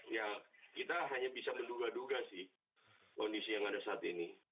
ya kita hanya bisa menduga duga sih kondisi yang ada saat ini